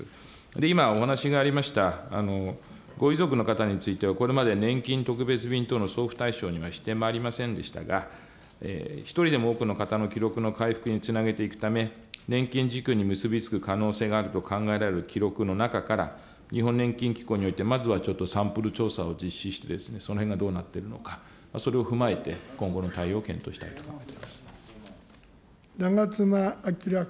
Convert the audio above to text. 今お話がありました、ご遺族の方については、これまで年金特別便等の送付対象にはしてまいりませんでしたが、一人でも多くの方の記録の回復につなげていくため、年金受給に結び付く可能性があると考えられる記録の中から、日本年金機構においてまずはちょっとサンプル調査を実施してですね、そのへんがどうなっているのか、それを踏まえて、今後の対応を検討したいと思長妻昭君。